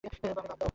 বামে লাফ দাও।